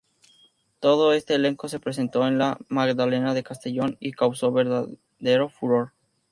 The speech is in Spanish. Todo este elenco se presentó en la Magdalena de Castellón y causo verdadero furor.